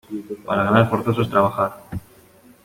Para ganar, forzoso es trabajar.